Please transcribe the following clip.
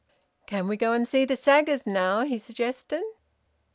"Can we go and see the saggers now?" he suggested.